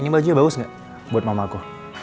ini bajunya bagus gak buat mama aku